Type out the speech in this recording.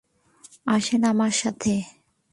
আসেন আমার সাথে।